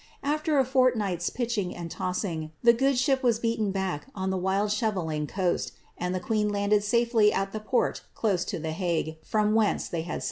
After a fortnight^i pitching and tossing, the good ship was beaten back on the wild Scheve ling coast, and the queen landed safely at the port close to the Hague, from whence they had set out.